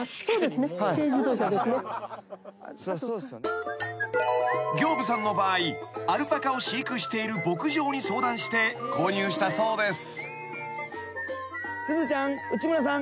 ［刑部さんの場合アルパカを飼育している牧場に相談して購入したそうです］